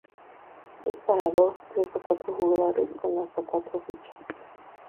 Es para dos, tres o cuatro jugadores con hasta cuatro fichas.